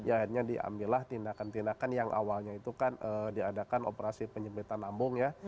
akhirnya diambillah tindakan tindakan yang awalnya itu kan diadakan operasi penyempitan lambung ya